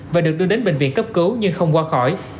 và được đưa đến bệnh viện cấp cứu nhưng không qua khỏi